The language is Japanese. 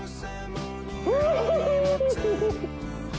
フッフフ！